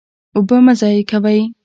اوبه مه ضایع کوئ